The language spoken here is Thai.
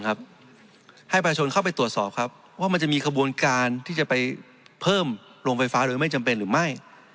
ให้ประชาชนเข้าไปตรวจสอบครับว่ามันจะมีขบวนการที่จะไปเพิ่มโรงไฟฟ้าหรือไม่จำเป็นหรือไม่